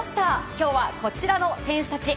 今日はこちらの選手たち。